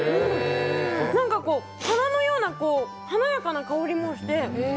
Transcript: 何か、花のような華やかな香りもして。